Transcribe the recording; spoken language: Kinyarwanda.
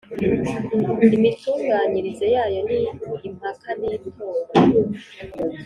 imitunganyirize yayo ni impaka n’itora